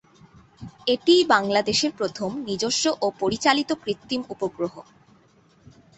এটিই বাংলাদেশের প্রথম নিজস্ব ও পরিচালিত কৃত্রিম উপগ্রহ।